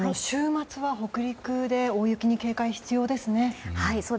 週末は北陸で大雪に警戒が必要ですね。